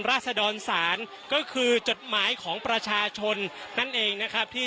ราศดรศาลก็คือจดหมายของประชาชนนั่นเองนะครับที่